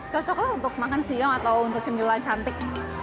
cocok lah untuk makan siang atau untuk cemilan cantik